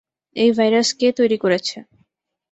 এই ভাইরাস কে তৈরি করেছে?